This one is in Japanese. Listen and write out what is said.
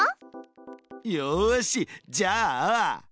よしじゃあ。